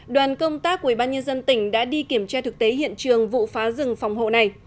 đoàn công tác của ủy ban nhân dân tỉnh đã đi kiểm tra thực tế hiện trường vụ phá rừng phòng hộ này